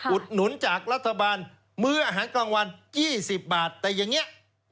อุดหนุนจากรัฐบาลมื้ออาหารกลางวัน๒๐บาทแต่อย่างนี้